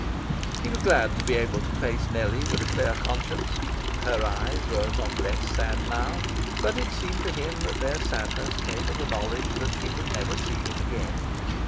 He was glad to be able to face Nellie with a clear conscience. Her eyes were not less sad now, but it seemed to him that their sadness came of a knowledge that she would never see him again.